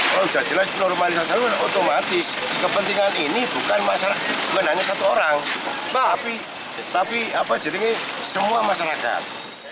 kalau sudah jelas normalisasi otomatis kepentingan ini bukan hanya satu orang tapi jering semua masyarakat